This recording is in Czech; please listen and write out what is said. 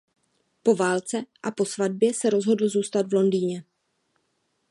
Po válce a po svatbě se rozhodl zůstat v Londýně.